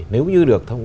nếu như được